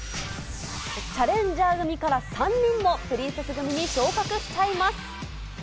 チャレンジャー組から３人もプリンセス組に昇格しちゃいます。